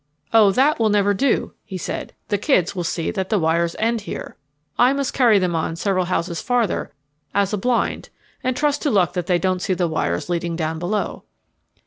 "Oh, that will never do," he said. "The kids will see that the wires end here. I must carry them on several houses farther as a blind and trust to luck that they don't see the wires leading down below."